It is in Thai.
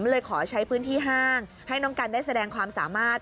เลยขอใช้พื้นที่ห้างให้น้องกันได้แสดงความสามารถ